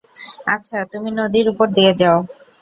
আচ্ছা, তুমি নদীর উপর দিয়ে যেও।